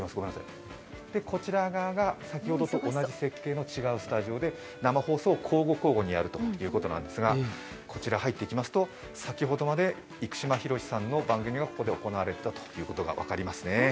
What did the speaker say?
こちら側が先ほどと同じ設計の違うスタジオで交互、交互にやるということなんですが先ほどまで生島ヒロシさんの番組がここで行われていたことが分かりますね。